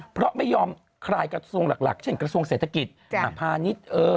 เพราะไม่ยอมคลายกระทรวงหลักเช่นกระทรวงเศรษฐกิจพาณิชย์